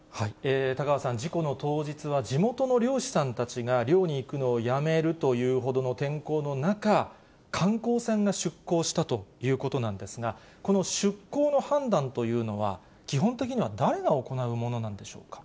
田川さん、事故の当日は地元の漁師さんたちが漁に行くのをやめるというほどの天候の中、観光船が出航したということなんですが、この出航の判断というのは、基本的には誰が行うものなんでしょうか。